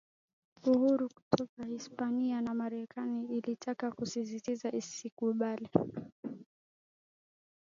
uhuru kutoka Hispania na Marekani ilitaka kusisitiza isingekubali